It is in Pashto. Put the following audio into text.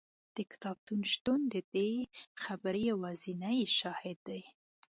د کتابتون شتون د دې خبرې یوازینی شاهد دی.